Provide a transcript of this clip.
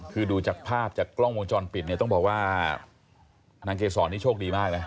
คือดูจากภาพจากกล้องวงจรปิดเนี่ยต้องบอกว่านางเกษรนี่โชคดีมากนะ